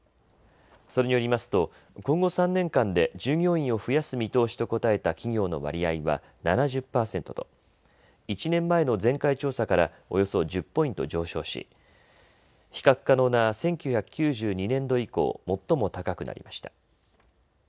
それによりますと今後３年間で従業員を増やす見通しと答えた企業の割合は７０％と１年前の前回調査からおよそ１０ポイント上昇し比較可能な１９９２年度以降、最も高くなりました。